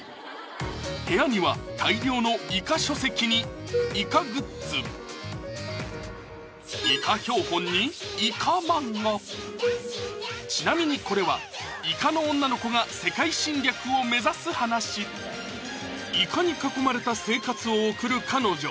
部屋には大量のイカ書籍にイカグッズちなみにこれはイカの女の子が世界侵略を目指す話イカに囲まれた生活を送る彼女